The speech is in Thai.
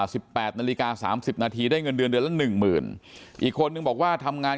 สิบแปดนาฬิกาสามสิบนาทีได้เงินเดือนเดือนละหนึ่งหมื่นอีกคนนึงบอกว่าทำงาน